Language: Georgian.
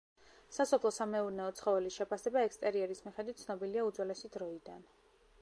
სასოფლო-სამეურნეო ცხოველის შეფასება ექსტერიერის მიხედვით ცნობილია უძველესი დროიდან.